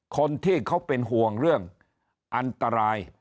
คนที่เขาเป็นห่วงเรื่องอันตราย